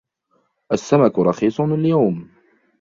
السمك رخيص اليوم.